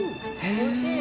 おいしい。